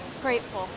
saya berterima kasih